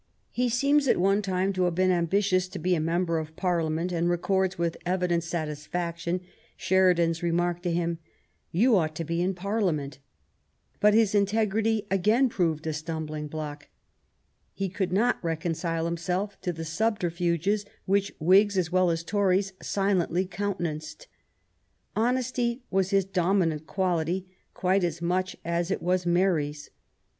He seems at one time to have been ambitious to be a Member of Parliament, and records with evident satisfaction Sheridan's remark to him: *^You ought to be in Parliament.^' But his integrity again proved a stumbling block. He could not reconcile himself to the subterfuges which Whigs as well as Tories silently countenanced. Honesty was his dominant quality quite as much as it was Mary's.